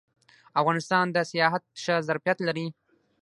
افغانستان د سیاحت ښه ظرفیت لري